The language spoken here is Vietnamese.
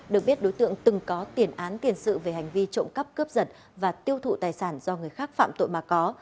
được biết đối tượng từng có tiền án tiền sự về hành vi trộm cắp cướp giật và tiêu thụ tài sản do người khác phạm tội mà có